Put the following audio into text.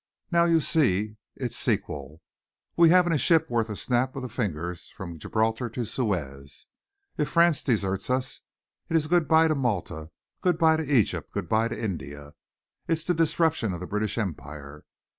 Now you see its sequel. We haven't a ship worth a snap of the fingers from Gibraltar to Suez. If France deserts us, it's good by to Malta, good by to Egypt, good by to India. It's the disruption of the British Empire.